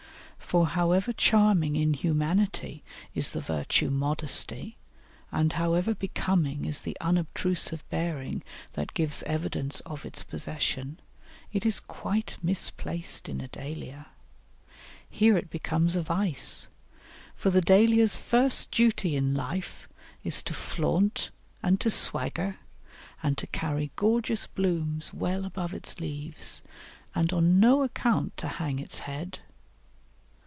For however charming in humanity is the virtue modesty, and however becoming is the unobtrusive bearing that gives evidence of its possession, it is quite misplaced in a Dahlia. Here it becomes a vice, for the Dahlia's first duty in life is to flaunt and to swagger and to carry gorgeous blooms well above its leaves, and on no account to hang its head.